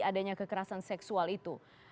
adanya kekerasan seksual itu